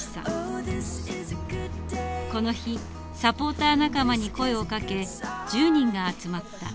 この日サポーター仲間に声をかけ１０人が集まった。